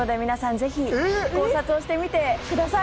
ぜひ考察をしてみてください。